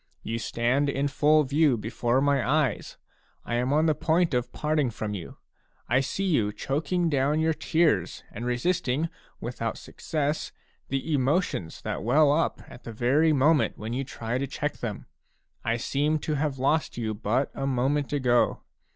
You stand in full view before my eyes. I am on the point of parting from you. I see you choking down your tears and resisting without success the emotions that well up at the very moment when you try to check them. I seem \ to have lost you but a moment ago.